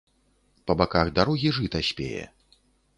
Па баках дарогі жыта спее.